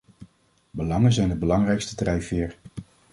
Belangen zijn de belangrijkste drijfveer.